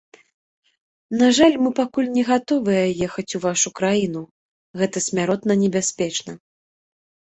На жаль, мы пакуль не гатовыя ехаць у вашу краіну, гэта смяротна небяспечна.